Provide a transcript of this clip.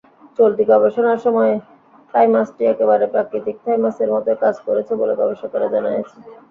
চলতি গবেষণার সময় থাইমাসটি একেবারে প্রাকৃতিক থাইমাসের মতোই কাজ করেছে বলে গবেষকেরা জানিয়েছেন।